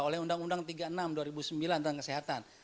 oleh undang undang tiga puluh enam dua ribu sembilan tentang kesehatan